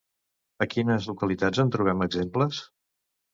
A quines localitats en trobem exemples?